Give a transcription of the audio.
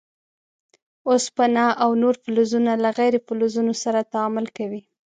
اوسپنه او نور فلزونه له غیر فلزونو سره تعامل کوي.